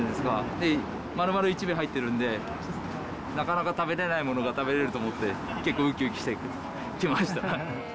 で、丸々１尾入ってるんで、なかなか食べれないものが食べれると思って、結構うきうきしてきました。